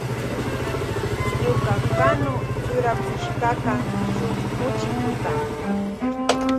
Ñuka kunu churakushkakan shuk muchikuta.